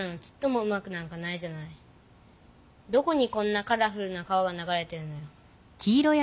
どこにこんなカラフルな川が流れてるのよ。